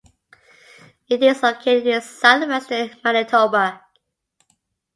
It is located in southwestern Manitoba.